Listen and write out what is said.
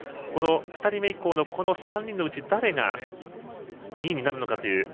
２人目以降の３人のうち誰が２人になるのか。